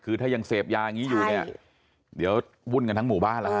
คือถ้ายังเสพยางี้อยู่เนี่ยเดี๋ยวบุญกันทั้งหมู่บ้านอะ